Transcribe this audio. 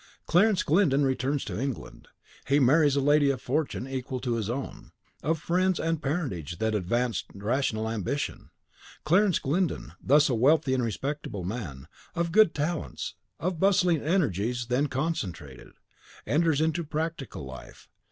Clarence Glyndon returns to England; he marries a lady of fortune equal to his own, of friends and parentage that advance rational ambition. Clarence Glyndon, thus a wealthy and respectable man, of good talents, of bustling energies then concentrated, enters into practical life.